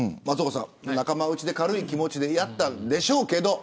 仲間内で軽い気持ちでやったんでしょうけど。